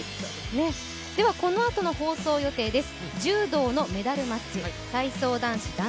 このあとの放送予定です。